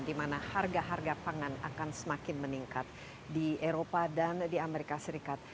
di mana harga harga pangan akan semakin meningkat di eropa dan di amerika serikat